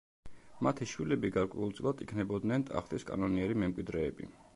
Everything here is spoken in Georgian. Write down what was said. მათი შვილები გარკვეულწილად იქნებოდნენ ტახტის კანონიერი მემკვიდრეები.